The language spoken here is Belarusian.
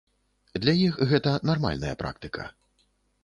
Для іх гэта нармальная практыка.